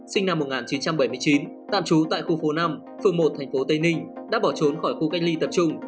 sinh năm một nghìn chín trăm bảy mươi chín tạm trú tại khu phố năm phường một tp tây ninh đã bỏ trốn khỏi khu cách ly tập trung